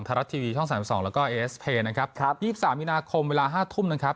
ทรัฐทีวีช่องสามสองแล้วก็เอเอสเพนนะครับครับยี่สิบสามมีนาคมเวลาห้าทุ่มนะครับ